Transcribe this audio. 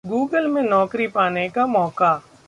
Google में नौकरी पाने का मौका